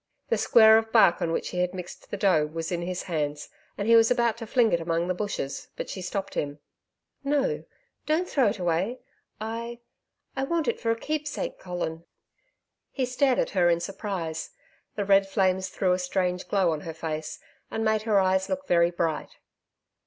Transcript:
The square of bark on which he had mixed the dough was in his hands and he was about the fling it among the bushes, but she stopped him. 'No don't throw it away.... I I want it for a keepsake, Colin.' He stared at her in surprise. The red flames threw a strange glow on her face, and made her eyes look very bright.